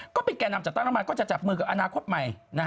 ก็ไปแก่นำจากต้านรามันก็จะจับมือกับอนาคตใหม่